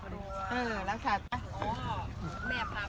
อ้อรักษาไป